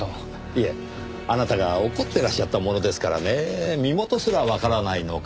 いえあなたが怒ってらっしゃったものですからねぇ身元すらわからないのかと。